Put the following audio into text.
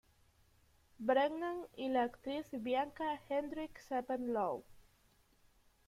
Brennan y la actriz Bianca Hendrickse-Spendlove.